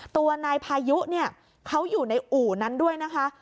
ตัวนายพายุเนี่ยเขาอยู่ในอู่นั้นด้วยนะคะ